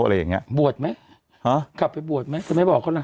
อะไรอย่างเงี้ยบวชไหมฮะกลับไปบวชไหมจะไม่บอกเขาล่ะ